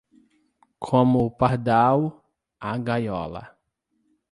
Como o pardal, a gaiola.